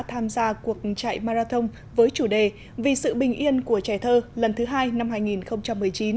tham gia cuộc chạy marathon với chủ đề vì sự bình yên của trẻ thơ lần thứ hai năm hai nghìn một mươi chín